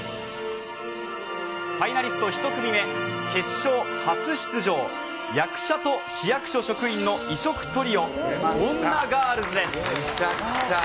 ファイナリスト１組目、決勝初出場、役者と市役所職員の異色トリオ、女ガールズです。